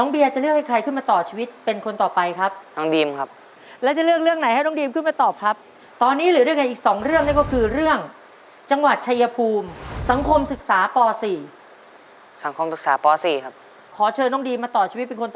พร้อมไหมตัวเล็ก